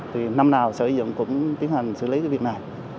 thì năm nào sở xây dựng cũng tiến hành xử lý cái việc này